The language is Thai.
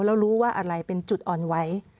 เรารู้ว่าอะไรเป็นจุดอ่อนไว้